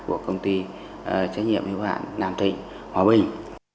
của công ty trách nhiệm yêu hạn nam thịnh hòa bình